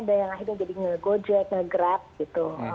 dan akhirnya jadi ngegojek ngegrat gitu